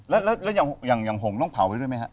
แล้วอย่างห่งต้องเผาไว้ด้วยไหมฮะ